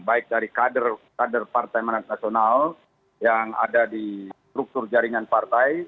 baik dari kader partai manat nasional yang ada di struktur jaringan partai